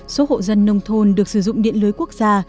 số hộ dân nông thôn được sử dụng điện lưới quốc gia